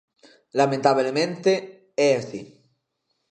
Lamentablemente, é así.